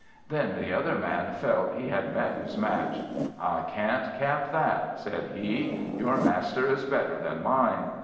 Then the other man felt he had met his match. "I can't cap that," said he; "your master is better than mine."